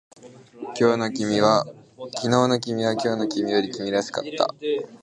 昨日の君は今日の君よりも君らしかった